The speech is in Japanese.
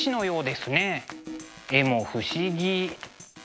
絵も不思議。